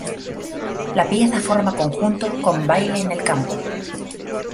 La pieza forma conjunto con "Baile en el campo".